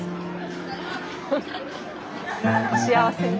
お幸せに。